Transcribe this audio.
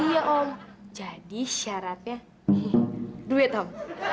iya om jadi syaratnya duit om